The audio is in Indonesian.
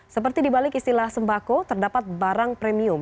seperti dibalik istilah sembako terdapat barang premium